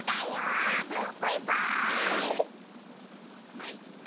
まいっか。